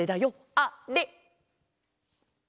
あれ！